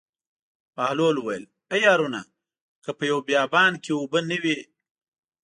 بهلول وویل: ای هارونه که په یوه بیابان کې اوبه نه وي.